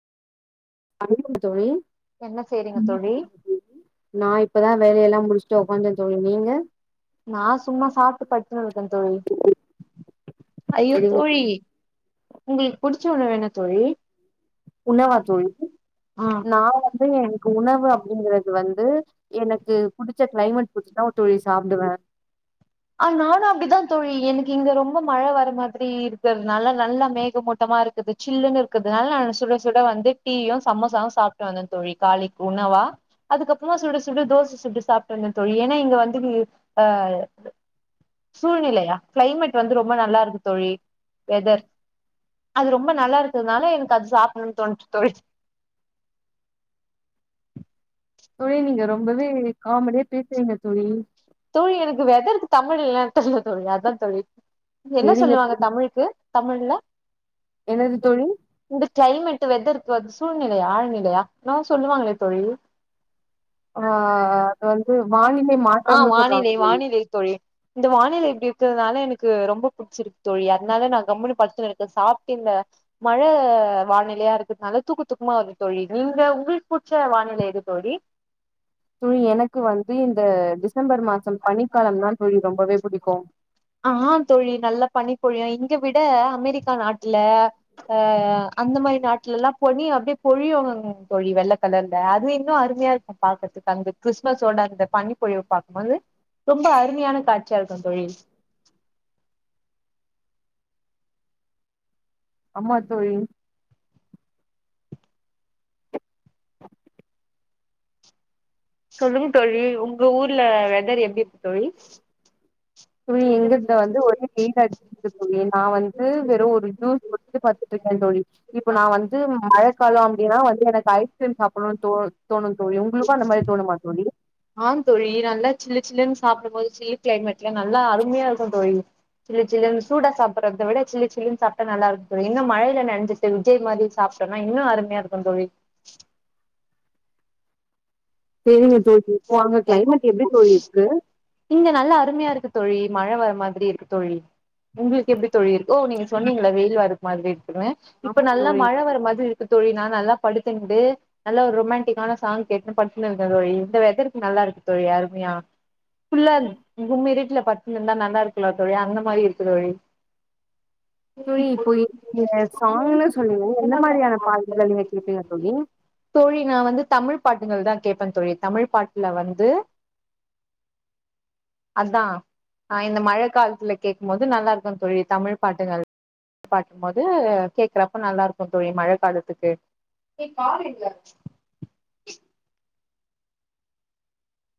பண்ணுங்க தோழி என்ன செய்றீங்க ம் தோழி [unintelligible] நா இப்பதா வேலயெல்லா முடிச்சுட்டு உக்காந்தேன் தோழி நீங்க நா சும்மா சாப்ட்டு படுத்துனு இருக்கேன் தோழி ஐயோ எங்க தோழி உங்களுக்கு புடிச்ச உணவு என்ன தோழி உணவா தோழி ஆ நா வந்து உணவு அப்டிங்றது வந்து எனக்கு புடிச்ச க்ளைமேட் புடிச்தா தோழி சாப்டுவே ஆ நானு அப்டிதா தோழி எனக்கு இங்க ரொம்ப மழ வர மாதிரி இருக்குறதுனால நல்ல மேகமூட்டமா இருக்குது சில்லுன்ன இருக்கிறதுனால நா சுட சுட வந்து டீயு சமோசாவு சாப்ட்டு வந்த தோழி காலைக்கு உணவா அதுக்கப்புறமா சுட சுட தோச சுட்டு சாப்ட்டு வந்த தோழி ஏன்னா இங்க வந்து வீ ஆ சூழ்நிலையா கிளைமேட் வந்து ரொம்ப நல்லா இருக்கு தோழி வெதர் அது ரொம்ப நல்லா இருக்கதுனால எனக்கு அது சாப்டணும்னு தோனுச்சு தோழி தோழி நீங்க ரொம்பவே காமெடியா பேசுறீங்க தோழி தோழி எனக்கு வெதர்கு தமிழ்ல அர்த்த தெரிய தோழி அதா தோழி என்ன சேரிங்க சொல்லுவாங்க தோழி தமிழுக்கு தமிழ்ல என்ன தோழி இந்த கிளைமேட் வெதருக்கு அது சூழ்நிலையா ஆழ்நிலையா என்னமோ சொல்லுவாங்களே தோழி ஆ அது வந்து வானிலை மா ஆ வானிலை வானிலை தோழி இந்த வானில இப்டி இருக்கிறதுனால எனக்கு ரொம்ப புடிச்சிருக்கு தோழி அதுனால நா கம்னு படுத்துனு இருக்கேன் சாப்டேன் ல மழ வானிலையா இருக்குதுனால தூக்கு தூக்கமா வருது தோழி நீங்க உங்களுக்கு புச்சா வானிலை எது தோழி தோழி எனக்கு வந்து இந்த டிசம்பர் மாசம் பனிக்காலம் தா தோழி ரொம்பவே புடிக்கு ஆ ஆங் தோழி நல்லா பனி பொழியு இங்க விட அமெரிக்கா நாட்டுல அ அந்த மாரி நாட்டுல எல்லா பொனி அப்டியே பொழிவங்கங்க தோழி வெள்ளை கலர்ல அது இன்னு அருமையா இருக்கு பாக்றதுக்கு அந்த கிறிஸ்மஸோட அந்த பனிப்பொழிவு பாக் வந்து ரொம்ப அருமையான காட்சியா இருக்கு தோழி ஆமா தோழி சொல்லுங்க தோழி உங்க ஊர்ல வெதரு எப்டி இருக்கு தோழி தோழி எங்கள்தா வந்து ஒரே வெயிலா இருக்கு ஓகே தோழி நா வந்து வெறு ஒரு ஜுஸ் குடித்து படுத்துட்டு இருக்கே தோழி இப்ப நா வந்து மழ கால அப்டின்னா வந்து எனக்கு ஐஸ்கிரீம் சாப்புணும்னு தோணு தோணு தோழி உங்களுக்கு அந்த மாரி தோணுமா தோழி ஆம் தோழி நல்லா சில்லு சில்லுன்னு சாப்டும் போது சில்லு கிளைமேட்ல்ல நல்லா அருமையா இருக்கு தோழி சில்லு சில்லுனு சூடா சாப்டுறத விட சில்லு சில்லுன்னு சாப்ட்டா நல்லா இருக்கு இன்ன மழைல நெனஞ் இந்த விஜய் மாதிரி சாப்ட்டோன்னா இன்னு அருமையா இருக்கு தோழி செரிங்க தோழி இப்போ அங்க கிளைமேட் எப்டி தோழி இருக்கு இங்க நல்லா அருமையா இருக்கு தோழி மழ வர மாதிரி இருக்கு தோழி உங்களுக்கு எப்டி தோழி இருக்கு ஓ நீங்க சொன்னீங்கள்ள வெயில் வர மாதிரி இருக்குன்னு இப்ப ஆமா நல்லா தோழி மழ வர மாதிரி இரு தோழி நா நல்லா படுத்தின்ட்டு நல்ல ஒரு ரொமாண்டிக்கான சாங் கேட்டு படி தின்னு இருக்கே தோழி இந்த வெதற்கு நல்லா இருக்கு தோழி அருமையா ஃபுல்லா கும்மிருட்டுல படு இருந்திருந்தா நல்லா இருக்குலா தோழி அந்த மாரி இருக்கு தோழி தோழி இப்ப நீங்க சாங்னு சொன்னீங்க எந்த மாரியான பாடல்கள் நீங்க கேப்பீங்க தோழி தோழி நா வந்து தமிழ் பாட்டுங்கள் தா கேப்பே தோழி தமிழ் பாட்டுல வந்து அதா இந்த மழ காலத்துல கேக்கும்போது நல்லா இருக்கு தோழி தமிழ் பாட்டுகள் பாக்கும் போது கேக்குறப்ப நல்லா இருக்கு தோழி மழ காலத்துக்கு ஏ காரு எங்க